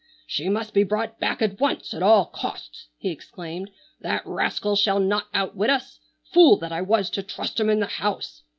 "She must be brought back at once at all costs!" he exclaimed. "That rascal shall not outwit us. Fool that I was to trust him in the house!